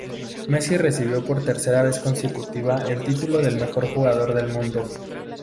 Messi recibió por tercera vez consecutiva el título del mejor jugador del mundo.